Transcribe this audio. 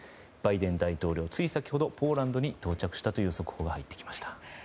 バイデン大統領つい先ほどポーランドに到着したという速報が入ってきました。